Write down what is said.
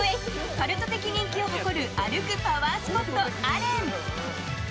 カルト的人気を誇る歩くパワースポット、アレン。